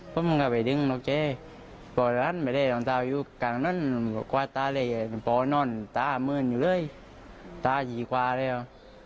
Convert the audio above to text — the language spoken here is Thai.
พ่อมันก็ไปดึงรถเจ๊พ่อล้านไปเลยต่างอยู่กลางนั้นกวาดตาเลยพ่อนอนตาเมืองอยู่เลยตาจีกวาแล้ว